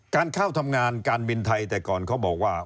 การเข้าทำงานการบินไทยแต่ก่อนเขาบอกว่า